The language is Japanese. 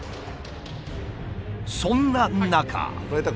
そんな中。